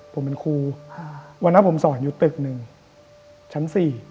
ผมเป็นครูวันนั้นผมสอนอยู่ตึกหนึ่งชั้น๔